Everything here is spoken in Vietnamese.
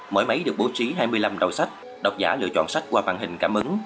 mỗi máy được bố trí hai mươi năm đầu sách đọc giả lựa chọn sách qua màn hình cảm ứng